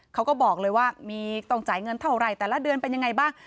เขาก็บอกเลยว่ามีต้องจ่ายเงินเท่าไหร่แต่ละเดือนเป็นยังไงบ้าง